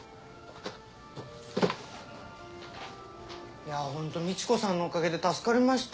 いやほんとみち子さんのおかげで助かりました。